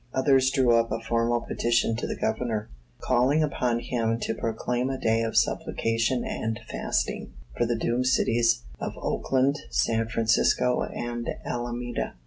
Others drew up a formal petition to the Governor, calling upon him to proclaim a day of supplication and fasting for the doomed cities of Oakland, San Francisco and Alameda.